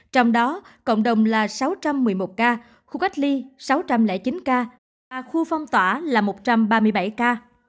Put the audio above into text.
trong đó cộng đồng là sáu trăm một mươi một ca khu cách ly sáu trăm linh chín ca khu phong tỏa là một trăm ba mươi bảy ca